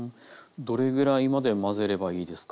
どれぐらいまで混ぜればいいですか？